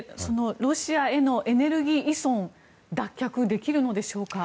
ロシアへのエネルギー依存は脱却できるのでしょうか。